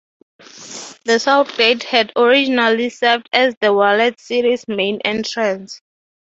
The South Gate had originally served as the Walled City's main entrance.